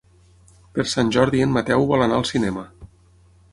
Per Sant Jordi en Mateu vol anar al cinema.